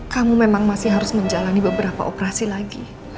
kamu memang masih harus menjalani beberapa operasi lagi